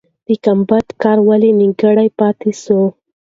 د ګمبد کار ولې نیمګړی پاتې سو؟